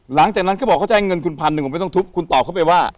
เขาบอกเขาจะให้เงินคุณพันหนึ่งผมไม่ต้องทุบคุณตอบเข้าไปว่า